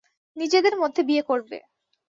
নিজেদের মধ্যে বিয়ে করবে।